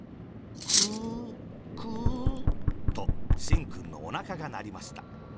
「クー、クー。」と、しんくんのおなかがなりました。